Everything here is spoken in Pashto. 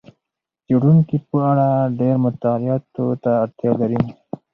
څېړونکي په اړه ډېرې مطالعاتو ته اړتیا لري.